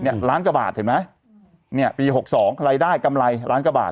ล้านกว่าบาทเห็นไหมเนี่ยปีหกสองรายได้กำไรล้านกว่าบาท